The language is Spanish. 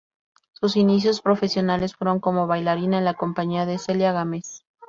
Sus inicios profesionales fueron como bailarina en la compañía de Celia Gámez.